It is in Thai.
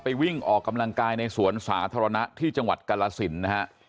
วิ่งออกกำลังกายในสวนสาธารณะที่จังหวัดกรสินนะฮะ